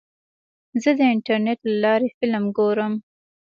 زه د انټرنیټ له لارې فلم ګورم.